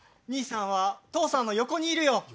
兄さんは父さんの横にいるよ。